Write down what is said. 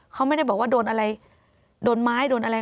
เขาไม่ได้บอกว่าโดนอะไรโดนไม้โดนอะไร